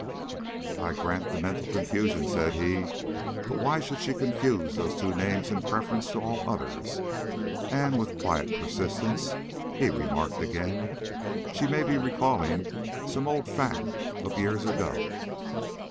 "I grant the mental confusion," said he; "but why should she confuse those two names in preference to all others?" And, with quiet persistence, he remarked again: "She may be recalling some old fact of years ago.